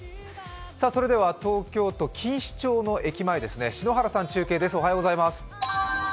それでは東京都・錦糸町駅前ですね篠原さん中継です。